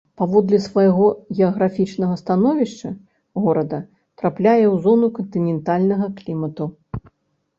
Паводле свайго геаграфічнага становішча горада трапляе ў зону кантынентальнага клімату.